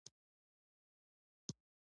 آیا دا بنسټونه مالیه نه ورکوي؟